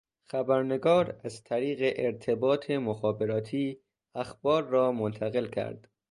خبرنگار از طریق ارتباط مخابراتی اخبار را منتقل کرد